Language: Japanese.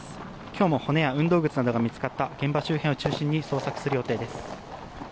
今日も骨や運動靴などが見つかった現場周辺を中心に捜索する予定です。